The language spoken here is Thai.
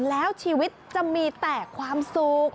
แล้วชีวิตจะมีแต่ความสุข